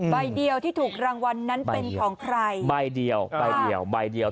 ใบเดียวที่ถูกรางวัลนั้นเป็นของใครใบเดียวใบเดียวใบเดียว